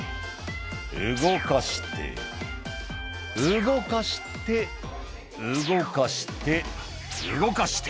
「動かして動かして動かして動かして」